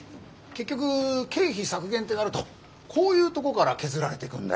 結局経費削減ってなるとこういうとこから削られてくんだよ。